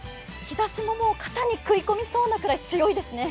日ざしももう、肩に食い込みそうなほど強いですね。